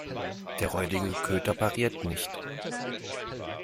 Der räudige Köter pariert nicht.